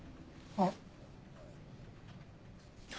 あっ。